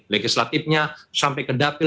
legislatifnya sampai ke dapil